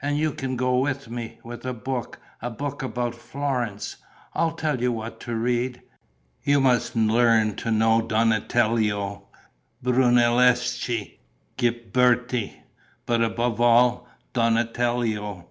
And you can go with me, with a book, a book about Florence; I'll tell you what to read. You must learn to know Donatello, Brunelleschi, Ghiberti, but, above all, Donatello.